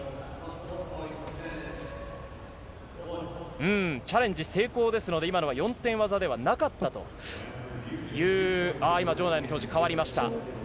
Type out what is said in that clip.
うーん、チャレンジ成功ですので、今のは４点技ではなかったという、ああ、今、場内の表示、変わりました。